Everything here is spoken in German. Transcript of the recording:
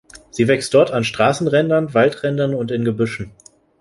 Sie wächst dort an Straßenrändern, Waldrändern und in Gebüschen.